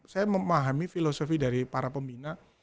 saya memahami filosofi dari para pembina